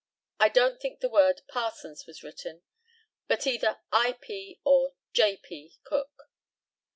I don't think the word "Parsons" was written, but either "I. P." or "J. P. Cook."